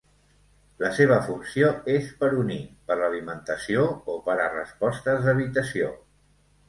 La seva funció és per unir, per l'alimentació o per a respostes d'evitació.